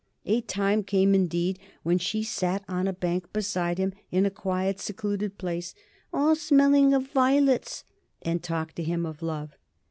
A time came, indeed, when she sat on a bank beside him, in a quiet, secluded place "all smelling of vi'lets," and talked to him of love.